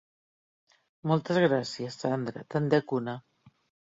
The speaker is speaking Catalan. Moltes gràcies, Sandra, te'n dec una.